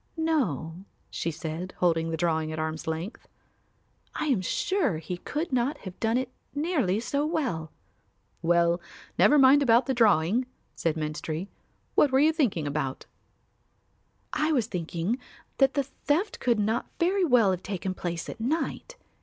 No," she said, holding the drawing at arm's length, "I am sure he could not have done it nearly so well." "Well, never mind about the drawing," said Menstrie; "what were you thinking about?" "I was thinking that the theft could not very well have taken place at night.